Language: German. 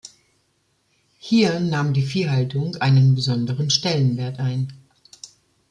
Hier nahm die Viehhaltung einen besonderen Stellenwert ein.